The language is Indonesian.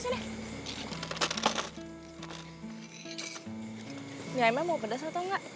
mie ayamnya mau pedas atau enggak